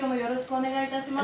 おねがいいたします。